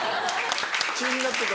気になってた。